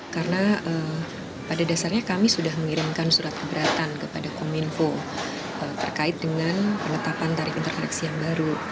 karena pada dasarnya kami sudah mengirimkan surat keberatan kepada kominfo terkait dengan penetapan tarif interkoneksi yang baru